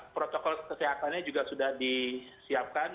protokol kesehatannya juga sudah disiapkan